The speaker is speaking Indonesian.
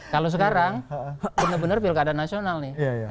kalau sekarang benar benar pilkada nasional nih